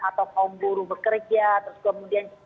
atau kaum buruh bekerja terus kemudian